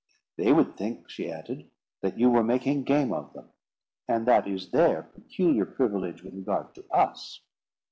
"They would think," she added, "that you were making game of them; and that is their peculiar privilege with regard to us."